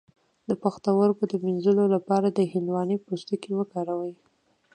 د پښتورګو د مینځلو لپاره د هندواڼې پوستکی وکاروئ